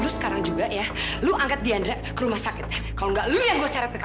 sampai jumpa di video selanjutnya